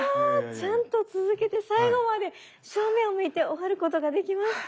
ちゃんと続けて最後まで正面を向いて終わることができました。